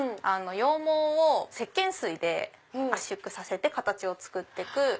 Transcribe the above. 羊毛をせっけん水で圧縮させて形を作って行く。